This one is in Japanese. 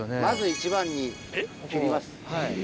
まず一番に切ります。